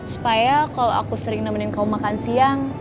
supaya kalau aku sering nemenin kamu makan siang